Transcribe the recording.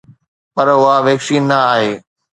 پر اها ويڪسين نه آهي